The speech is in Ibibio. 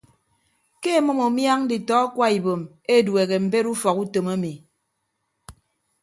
Ke emʌm umiañ nditọ akwa ibom edueehe mbet ufọk utom emi.